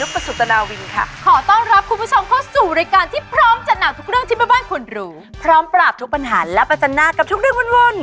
ปราบทุกปัญหาและปัจจันทร์หน้ากับทุกเรื่องวุ่น